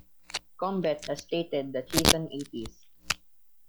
Combet has stated that he is an atheist.